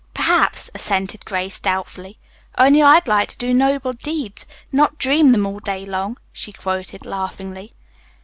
"Perhaps," assented Grace doubtfully, "only I'd like to 'do noble deeds, not dream them all day long,'" she quoted laughingly.